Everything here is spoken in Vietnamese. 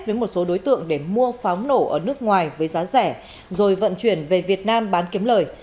ngô sĩ vinh đã cấu kết với một số đối tượng để mua pháo nổ ở nước ngoài với giá rẻ rồi vận chuyển về việt nam bán kiếm lời